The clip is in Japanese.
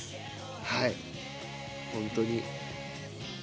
はい、本当に。